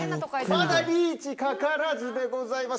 まだリーチかからずでございます。